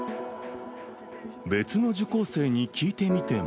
別の受講生に聞いてみても。